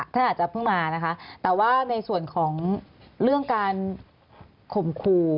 ท่านอาจจะเพิ่งมานะคะแต่ว่าในส่วนของเรื่องการข่มขู่